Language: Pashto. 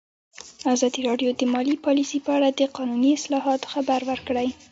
ازادي راډیو د مالي پالیسي په اړه د قانوني اصلاحاتو خبر ورکړی.